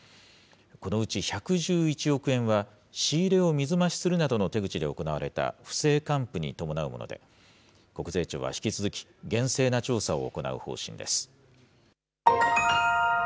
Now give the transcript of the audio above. このうち１１１億円は、仕入れを水増しするなどの手口で行われた不正還付に伴うもので、国税庁は引き続き、厳正な調査を行う方針です。